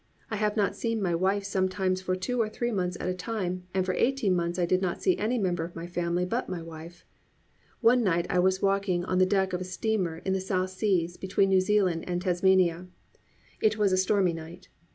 I have not seen my wife sometimes for two or three months at a time and for eighteen months I did not see any member of my family but my wife. One night I was walking the deck of a steamer in the South Seas between New Zealand and Tasmania. It was a stormy night.